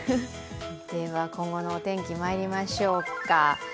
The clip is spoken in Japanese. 今後のお天気にまいりましょうか。